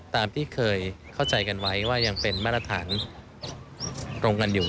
ตามที่เคยเข้าใจกันไว้ว่ายังเป็นมาตรฐานตรงกันอยู่